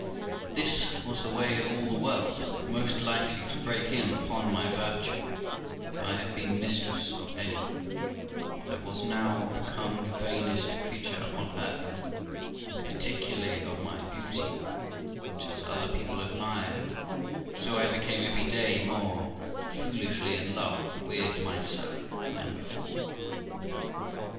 This was the way in all the world the most likely to break in upon 'my virtue, if I had been mistress of any; for I was now become the vainest creature upon earth, and particularly of my beauty, which, as other people admired, so I became every day more foolishly in love with myself than before.